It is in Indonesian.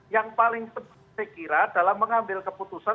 yang paling terkira dalam mengambil keputusan